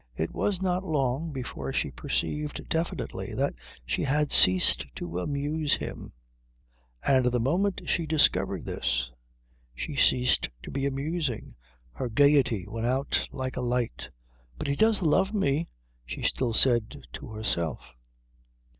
It was not long before she perceived definitely that she had ceased to amuse him, and the moment she discovered this she ceased to be amusing: her gaiety went out like a light. "But he does love me," she still said to herself.